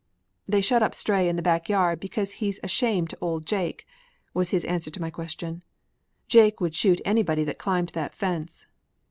"They shut up Stray in the back yard because he's a shame to old Jake," was his answer to my question. "Jake would shoot anybody that climbed that fence."